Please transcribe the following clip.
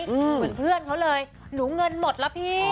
เหมือนเพื่อนเขาเลยหนูเงินหมดแล้วพี่